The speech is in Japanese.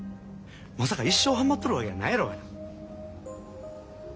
まさか一生ハマっとるわけやないやろうがな。